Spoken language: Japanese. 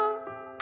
「あ！」